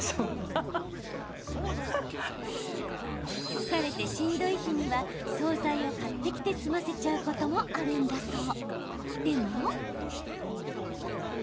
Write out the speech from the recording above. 疲れてしんどい日には総菜を買ってきて済ませちゃうこともあるんだそう。